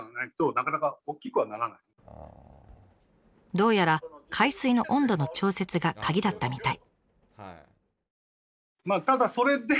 どうやら海水の温度の調節がカギだったみたい。